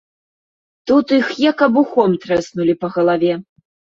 Тут іх як абухом трэснулі па галаве.